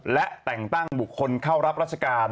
และแต่งตั้งบุคคลเข้ารับราชการ